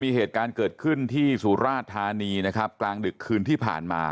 มีเหตุการณ์เกิดขึ้นที่สุราชธานีนะครับกลางดึกคืนที่ผ่านมา